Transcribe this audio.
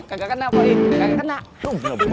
kagak kena poy kagak kena